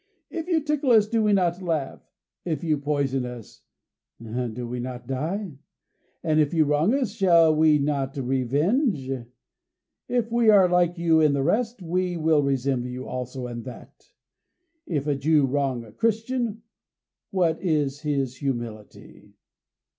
If you tickle us, do we not laugh? If you poison us, do we not die? And if you wrong us, shall we not revenge? If we are like you in the rest, we will resemble you also in that. If a Jew wrong a Christian, what is his humility?